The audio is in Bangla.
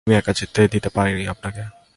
কার্ডিনাল, আমি একা যেতে দিতে পারি আপনাকে।